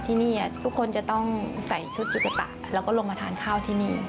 ที่นี่ทุกคนจะต้องใส่ชุดตุ๊กตะแล้วก็ลงมาทานข้าวที่นี่